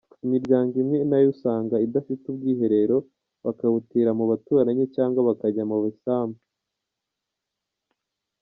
Imiryango imwe na yo usanga idafite ubwiherero, bakabutira mu baturanyi cyangwa bakajya mu bisambu.